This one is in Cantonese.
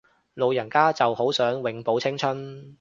老人家就好想永葆青春